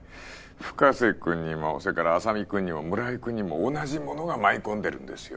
深瀬君にも浅見君にも村井君にも同じものが舞い込んでるんですよ